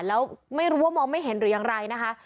แล้วไม่รู้ว่ามองไม่เห็นหรือยังไรนะคะ